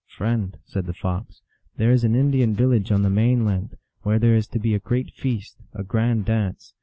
" Friend," said the Fox, " there is an Indian village on the main land, where there is to be a great feast, a grand dance.